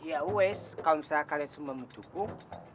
ya wes kalau misalnya kalian semua mendukung